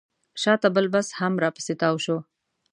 شاته بل بس هم راپسې راتاو شو.